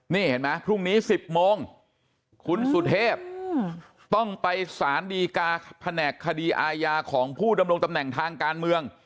นี่เห็นไหมพรุ่งนี้๑๐โมงคุณสุเทพต้องไปสารดีกาแผนกคดีอาญาของผู้ดำรงตำแหน่งทางการเมือง